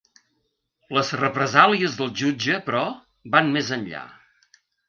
Les represàlies del jutge, però, van més enllà.